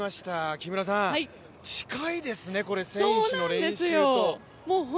木村さん、近いですね、これ、選手の練習と。